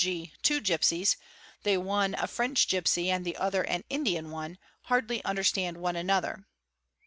g., two gipsies, the one a French gipsy and the other an Indian one, hardly understand one another.